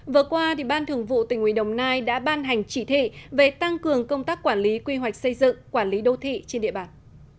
vừa qua ban thường vụ tỉnh uỷ đồng nai đã ban hành chỉ thị về tăng cường công tác quản lý quy hoạch xây dựng quản lý đô thị trên địa bàn